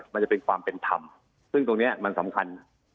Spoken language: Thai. มันจะเป็นความเป็นธรรมซึ่งตรงนี้มันสำคัญ